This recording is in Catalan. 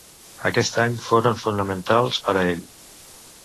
Aquests anys foren fonamentals per a ell.